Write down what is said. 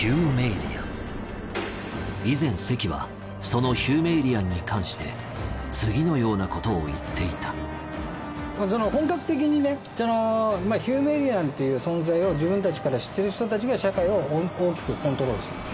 以前関はそのヒューメイリアンに関して次のようなことを言っていた本格的にねそのヒューメイリアンという存在を自分たちから知っている人たちが社会を大きくコントロールします。